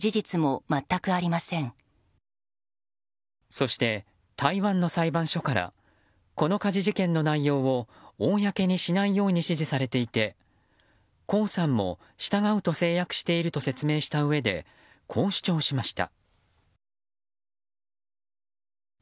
そして、台湾の裁判所からこの家事事件の内容を公にしないように指示されていて江さんも従うと制約していると説明したうえでこう主張しました。